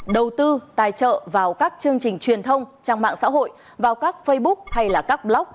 đầu tư tài trợ vào các chương trình truyền thông trang mạng xã hội vào các facebook hay là các blog